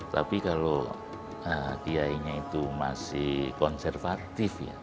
tapi kalau hiayinya itu masih konservatif